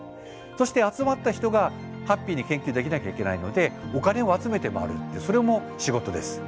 そして集まった人がハッピーに研究できなきゃいけないのでお金を集めて回るってそれも仕事です。